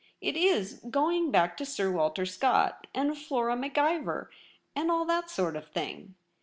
It is going back to Sir Walter Scott, and Flora Maclvor, and all that sort of thing.